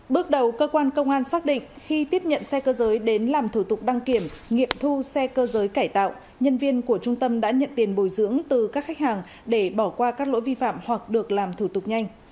bước đầu cơ quan công an xác định khi tiếp nhận xe cơ giới đến làm thủ tục đăng kiểm nghiệm thu xe cơ giới cải tạo nhân viên của trung tâm đã nhận tiền bồi dưỡng từ các khách hàng để bỏ qua các lỗi vi phạm hoặc được làm thủ tục nhanh